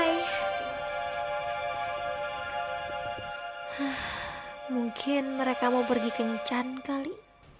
hmm mungkin mereka mau pergi kencan kali